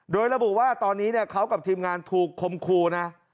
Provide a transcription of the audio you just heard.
โดยระบุว่าตอนนี้เขากับทีมงานถูกคมครูนะ